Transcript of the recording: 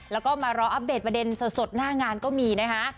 แล้วก็มารออัปเดตประเด็นสดหน้างานก็มีนะคะ